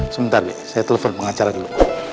sebentar saya telepon pengacara dulu